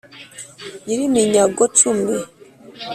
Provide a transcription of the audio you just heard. nyiri iminyago cumi